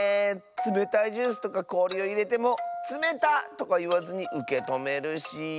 つめたいジュースとかこおりをいれても「つめた！」とかいわずにうけとめるし。